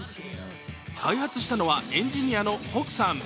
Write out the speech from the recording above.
開発したのはエンジニアのｈｏｋｕさん。